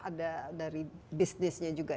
ada dari bisnisnya juga